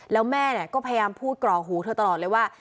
แล้วแม่ก็พยายามพูดกรอกหูเธอตลอดเลยว่า